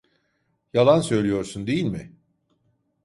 Yalan söylüyorsun, değil mi?